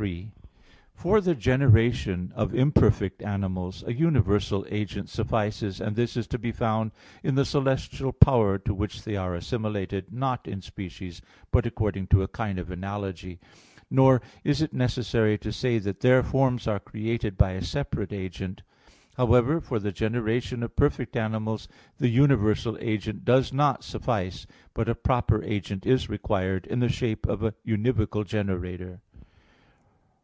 3: For the generation of imperfect animals, a universal agent suffices, and this is to be found in the celestial power to which they are assimilated, not in species, but according to a kind of analogy. Nor is it necessary to say that their forms are created by a separate agent. However, for the generation of perfect animals the universal agent does not suffice, but a proper agent is required, in the shape of a univocal generator.